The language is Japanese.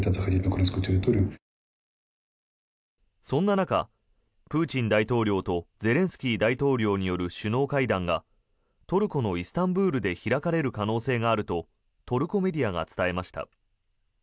そんな中、プーチン大統領とゼレンスキー大統領による首脳会談がトルコのイスタンブールで開かれる可能性があるとトルコメディアが伝えました。